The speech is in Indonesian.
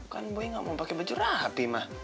kan boy gak mau pake baju rapi ma